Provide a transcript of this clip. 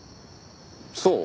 そう？